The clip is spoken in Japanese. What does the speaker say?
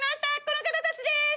この方たちです！